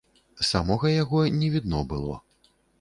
Самога яго не відно было.